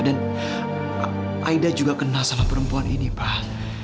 dan aida juga kenal sama perempuan ini pak